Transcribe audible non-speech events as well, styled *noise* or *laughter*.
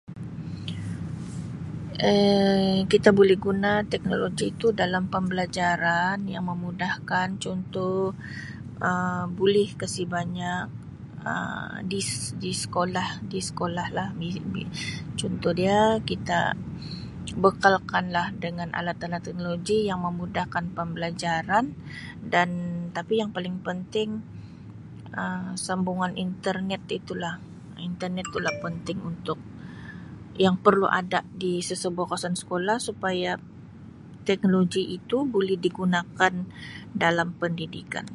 Um Kita buli guna teknologi itu dalam pembelajaran yang memudahkan contoh Um buli kasi banyak Um dis-di skolah di skolah lah *unintelligible* contoh dia kita bekalkan lah dengan alat alat teknologi yang memudahkan pembelajaran dan tapi yang paling penting Um sambungan internet itu lah internet tu la *noise* penting yang perlu ada di kawasan skolah supaya teknologi itu buli digunakan dalam pendidikan.